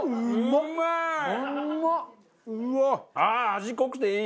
ああ味濃くていい！